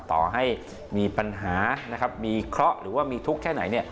ต่อให้มีปัญหานะครับมีเคราะห์หรือว่ามีทุกข์แค่ไหน